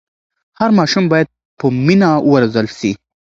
هر ماشوم باید په مینه وروزل سي.